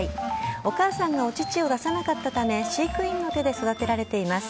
お母さんがお乳を出さなかったため、飼育員の手で育てられています。